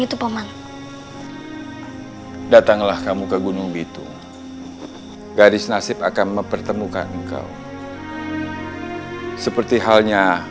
itu paman datanglah kamu ke gunung bitung garis nasib akan mempertemukan kau seperti halnya